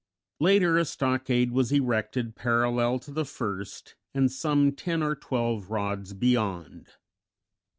Later a stockade was erected parallel to the first, and some ten or twelve rods beyond.